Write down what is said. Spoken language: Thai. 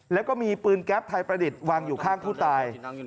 แล้วก็มีปืนแก๊ปไทยประดิษฐ์วางอยู่ข้างผู้ตาย